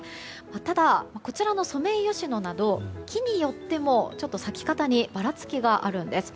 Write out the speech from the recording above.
ただ、こちらのソメイヨシノなど木によっても、咲き方にばらつきがあるんです。